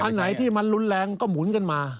อันไหนที่มันรุนแรงก็หมุนกันมา